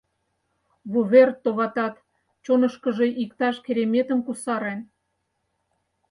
Вувер, товатат, чонышкыжо иктаж кереметым кусарен.